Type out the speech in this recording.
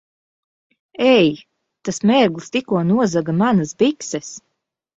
Ei! Tas mērglis tikko nozaga manas bikses!